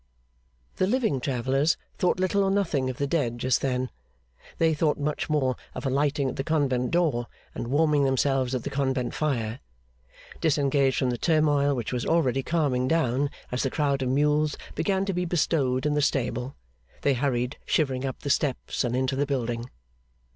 The living travellers thought little or nothing of the dead just then. They thought much more of alighting at the convent door, and warming themselves at the convent fire. Disengaged from the turmoil, which was already calming down as the crowd of mules began to be bestowed in the stable, they hurried shivering up the steps and into the building.